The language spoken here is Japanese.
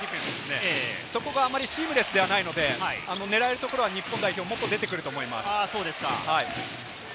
そこがあまりシームレスではないので、狙えるところは日本代表出てくると思います。